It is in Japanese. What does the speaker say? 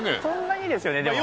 そんなにですよね